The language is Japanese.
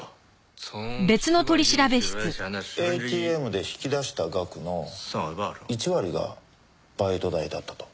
ＡＴＭで引き出した額の１割がバイト代だったと。